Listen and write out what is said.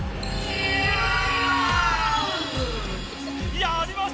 やりました